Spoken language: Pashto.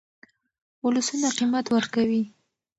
ولسونه قیمت ورکوي.